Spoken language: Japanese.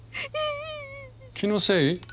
気のせい？